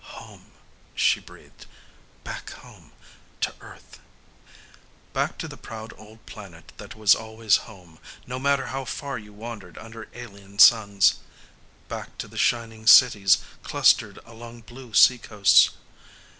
"Home," she breathed, "back home to Earth." Back to the proud old planet that was always home, no matter how far you wandered under alien suns. Back to the shining cities clustered along blue seacoasts.